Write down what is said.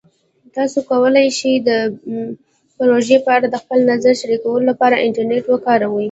تاسو کولی شئ د پروژې په اړه د خپل نظر شریکولو لپاره انټرنیټ وکاروئ.